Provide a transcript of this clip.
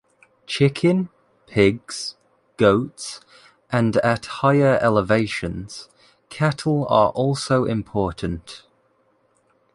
Chicken, Pigs, goats, and at higher elevations, cattle are also important.